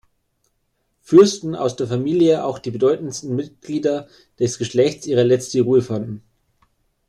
Fürsten aus der Familie auch die bedeutendsten Mitglieder des Geschlechtes ihre letzte Ruhe fanden.